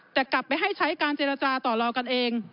แต่กลับไปให้ใช้การเจรจาต่อรองกันเอง